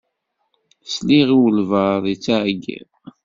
Sliɣ i walebɛaḍ yettɛeyyiḍ.